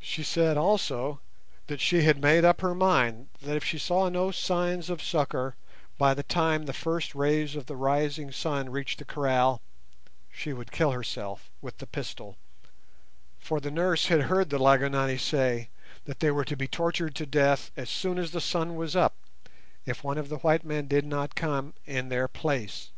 She said also that she had made up her mind that if she saw no signs of succour by the time the first rays of the rising sun reached the kraal she would kill herself with the pistol, for the nurse had heard the Lygonani say that they were to be tortured to death as soon as the sun was up if one of the white men did not come in their place.